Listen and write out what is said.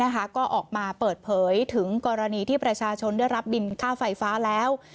ก็ออกมาเปิดเผยถึงกรณีที่ประชาชนได้รับบินค่าไฟฟ้าแล้ว